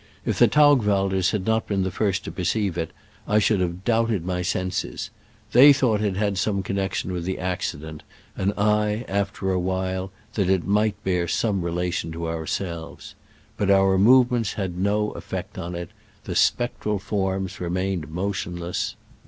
If the Taugwalders had not been the first to perceive it, I should have doubted my senses. They thought it had some connection with the accident, and I, after a while, that it might bear some relation to ourselves. But our movements had no effect upon it. The spectral forms remained motionless.